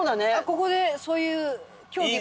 ここでそういう競技も。